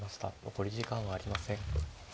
残り時間はありません。